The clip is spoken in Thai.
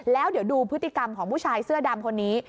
แล้วเดี๋ยวดูพฤติกรรมของผู้ชายเสื้อดำคนนี้